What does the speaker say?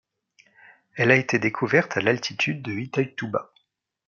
Elle a été découverte à d'altitude à Itaituba.